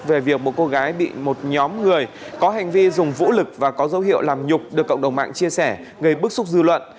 về việc một cô gái bị một nhóm người có hành vi dùng vũ lực và có dấu hiệu làm nhục được cộng đồng mạng chia sẻ gây bức xúc dư luận